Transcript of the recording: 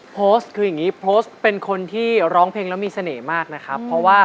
โพสต์คืออย่างนี้โพสต์เป็นคนที่ร้องเพลงแล้วมีเสน่ห์มากนะครับเพราะว่า